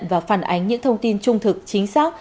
và phản ánh những thông tin trung thực chính xác